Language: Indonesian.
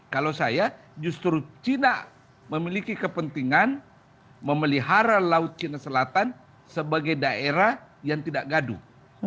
kalau saya justru cina memiliki kepentingan memelihara laut china selatan sebagai daerah yang tidak gaduh